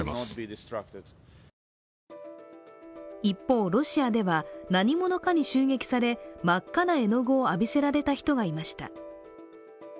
一方、ロシアでは何者かに襲撃され真っ赤な絵の具を浴びせられた人がいました。